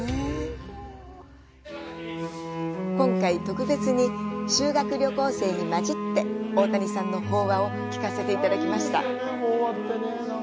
今回、特別に、修学旅行生に交じって大谷さんの法話を聞かせていただきました。